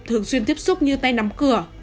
thường xuyên tiếp xúc như tay nắm cửa